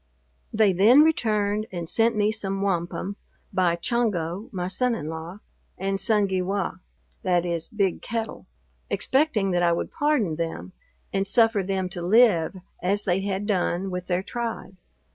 They then returned and sent me some wampum by Chongo, (my son in law,) and Sun ge waw (that is Big Kettle) expecting that I would pardon them, and suffer them to live as they had done with their tribe.